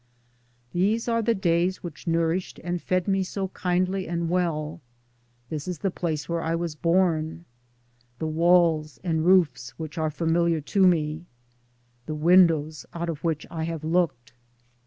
These are the days which nourished and fed me so kindly and well ; this is the place where I was born, the walls and roofs which are familiar to me, the windows out of which I have looked.